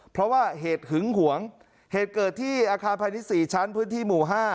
เพราะว่าเหตุหึงหวงเหตุเกิดที่อาคารพาณิชย์๔ชั้นพื้นที่หมู่๕